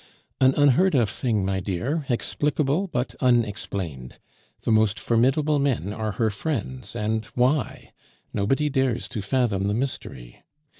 "An unheard of thing, my dear, explicable but unexplained. The most formidable men are her friends, and why? Nobody dares to fathom the mystery.